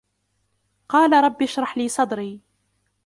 قَالَ رَبِّ اشْرَحْ لِي صَدْرِي